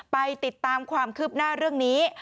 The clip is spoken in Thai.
ไปติดตามความคืบหน้าเรื่องนี้